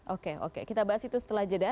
oke oke kita bahas itu setelah jeda